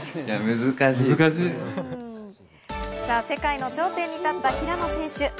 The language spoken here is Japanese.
世界の頂点に立った平野選手。